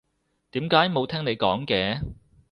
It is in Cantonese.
點解冇聽你講嘅？